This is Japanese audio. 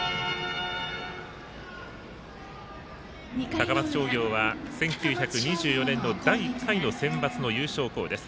高松商業は、１９２４年の第１回のセンバツの優勝校です。